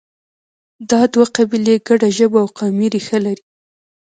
دا دوه قبیلې ګډه ژبه او قومي ریښه لري